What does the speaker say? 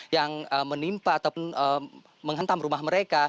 yang menimpa ataupun menghantam rumah mereka